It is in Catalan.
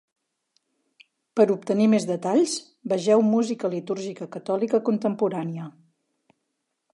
Per obtenir més detalls, vegeu Música litúrgica catòlica contemporània.